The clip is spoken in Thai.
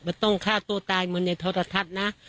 มันต้องฆ่าตัวตายเหมือนในโทรทัศน์นะ